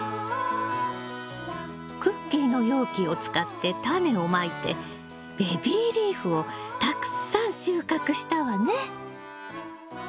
クッキーの容器を使ってタネをまいてベビーリーフをたくさん収穫したわね。